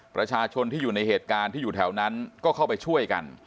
ประชาชนที่อยู่ในเหตุการณ์ที่อยู่แถวนั้นก็เข้าไปช่วยกัน